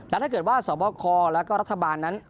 และถ้าเกิดว่าสวบคแล้วก็รัฐบาลนั้น